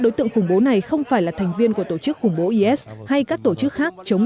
đối tượng khủng bố này không phải là thành viên của tổ chức khủng bố is hay các tổ chức khác chống